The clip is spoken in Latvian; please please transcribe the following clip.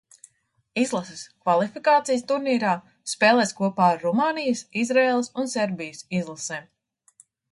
Izlase kvalifikācijas turnīrā spēlēs kopā ar Rumānijas, Izraēlas un Serbijas izlasēm.